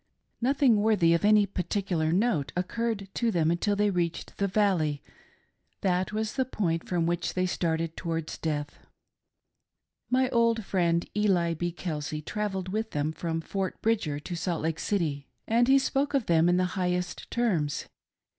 THE MOUNTAIN MEADOWS MASSACRE. 325 Nothing worthy of any particular note occurred to them until they reached the Valley — that was the point from which they starte(^ towards death. My old friend Eli B. Kelsey travelled with them from Fort Bridger to Salt Lake City, and he spoke of them in the highest terms.